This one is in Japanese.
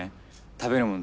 食べるもの